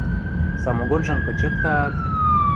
Самогонжым кычыктаат: